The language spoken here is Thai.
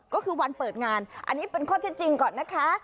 ก็คือวันเปิดงานอันนี้เป็นข้อเท็จจริงก่อนนะคะ